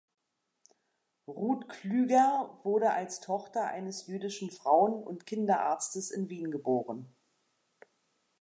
Ruth Klüger wurde als Tochter eines jüdischen Frauen- und Kinderarztes in Wien geboren.